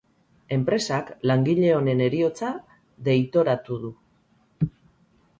Enpresak langile honen heriotza deitoratu du.